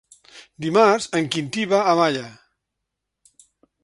Dimarts en Quintí va a Malla.